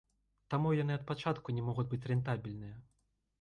Таму яны ад пачатку не могуць быць рэнтабельныя.